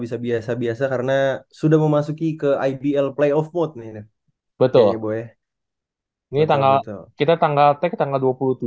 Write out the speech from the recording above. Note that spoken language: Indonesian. bisa biasa biasa karena sudah memasuki ke idl playoff mode betul betul kita tanggal teks tanggal